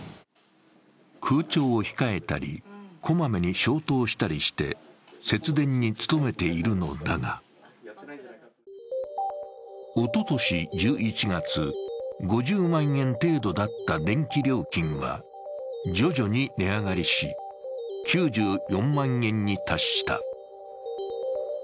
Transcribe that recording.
空調を控えたり、こまめに消灯したりして、節電に努めているのだがおととし１１月、５０万円程度だった電気料金は徐々に値上がりし、９４万円に達した。